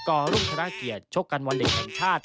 ก่อรุ่นชนะเกียจชกกันวันเด็กแห่งชาติ